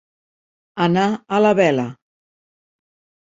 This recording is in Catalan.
Anar a la vela.